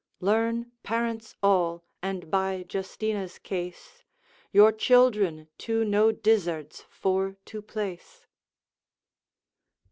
Learn parents all, and by Justina's case, Your children to no dizzards for to place.